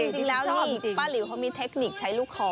จริงแล้วนี่ป้าหลิวเขามีเทคนิคใช้ลูกคอ